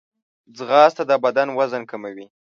ځغاسته د بدن وزن کموي